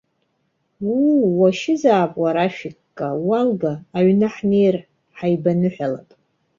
Уу, уашьызаап уара ашәикка, уалга, аҩны ҳнеир, ҳаибаныҳәалап.